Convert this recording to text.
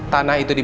tanah itu includes